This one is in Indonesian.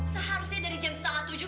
seharusnya dari jam setengah tujuh